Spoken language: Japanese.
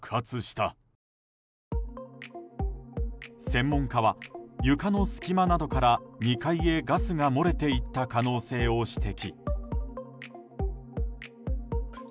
専門家は床の隙間などから２階へガスが漏れていった可能性を指摘。